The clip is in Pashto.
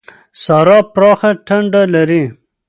سارا پراخه ټنډه لري.